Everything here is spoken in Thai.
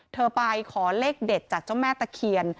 ไปขอเลขเด็ดจากเจ้าแม่ตะเคียน